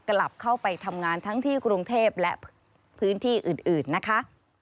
กลับเข้าไปทำงานทั้งที่กรุงเทพและพื้นที่อื่นนะคะ